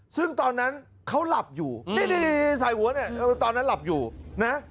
ซึ่งตอนนั้นเขาหลับอยู่นี่ใส่หัวเนี่ยตอนนั้นหลับอยู่นะ